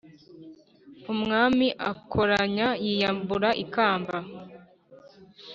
Umwami akokanya yiyambura ikamba